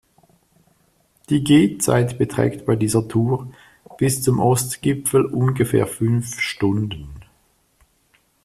Die Gehzeit beträgt bei dieser Tour bis zum Ostgipfel ungefähr fünf Stunden.